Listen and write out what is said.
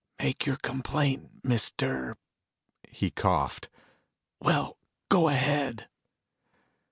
"Make your complaint, Mister " He coughed. "Well, go ahead."